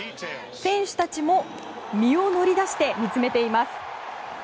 選手たちも身を乗り出して見つめています。